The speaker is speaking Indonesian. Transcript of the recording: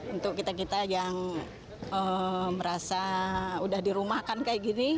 untuk kita kita yang merasa udah dirumahkan kayak gini